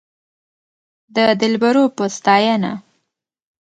د دلبرو په ستاينه